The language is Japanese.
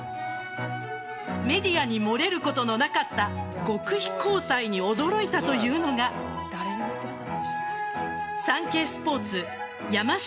メディアに漏れることのなかった極秘交際に驚いたというのがサンケイスポーツ山下